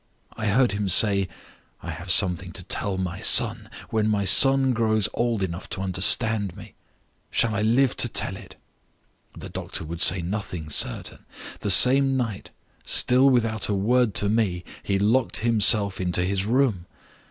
I heard him say: I have something to tell my son, when my son grows old enough to understand me. Shall I live to tell it? The doctor would say nothing certain. The same night (still without a word to me) he locked himself into his room.